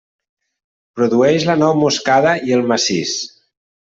Produeix la nou moscada i el macís.